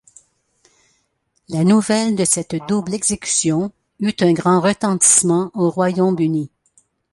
La nouvelle de cette double exécution eut un grand retentissement au Royaume-Uni.